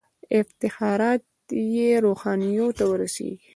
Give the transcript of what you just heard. افتخارات یې روحانیونو ته ورسیږي.